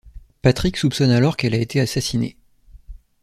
Patrik soupçonne alors qu'elle a été assassinée.